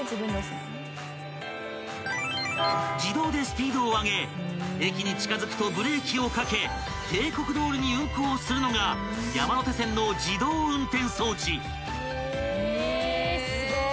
［自動でスピードを上げ駅に近づくとブレーキをかけ定刻どおりに運行するのが山手線の自動運転装置］え！